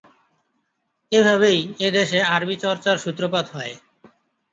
এভাবেই এ দেশে আরবি চর্চার সূত্রপাত হয়।